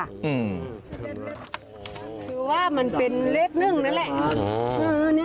คือว่ามันเป็นเลขหนึ่งนั่นแหละ